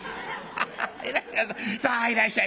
「ハハハさあいらっしゃい！